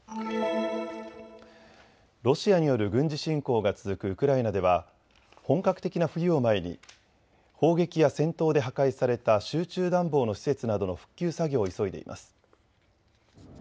ロシアによる軍事侵攻が続くウクライナでは本格的な冬を前に砲撃や戦闘で破壊された集中暖房の施設などの復旧作業を急いでいます。